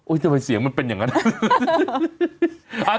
ทำไมเสียงมันเป็นอย่างนั้น